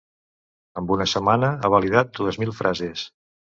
Amb una setmana he validat dues mil frases